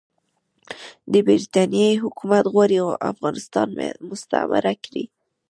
د برټانیې حکومت غواړي افغانستان مستعمره کړي.